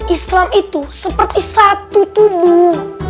islam itu seperti satu tubuh